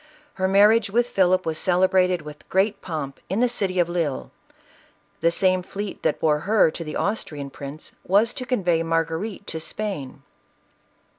Her marriage with Philip was celebrated with great pomp in the city of Lisle. The same fleet that bore her to the Austrian prince, was to convey Margarite to Spain.